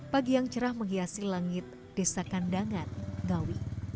pagi yang cerah menghiasi langit desa kandangan ngawi